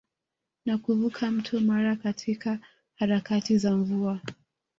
Na kuvuka mto Mara katika harakati za mvua